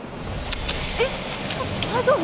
えっ大丈夫？